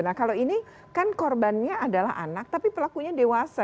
nah kalau ini kan korbannya adalah anak tapi pelakunya dewasa